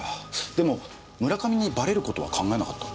でも村上にバレることは考えなかった？